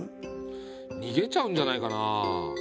逃げちゃうんじゃないかな？